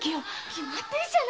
きまってるじゃない。